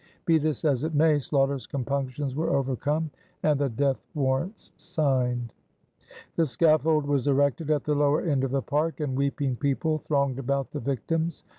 Be this as it may, Sloughter's compunctions were overcome and the death warrants signed. The scaffold was erected at the lower end of the park and weeping people thronged about the victims.